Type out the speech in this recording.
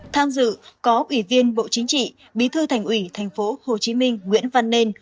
tham dự có ủy viên bộ chính trị bí thư thành ủy thành phố hồ chí minh nguyễn văn nên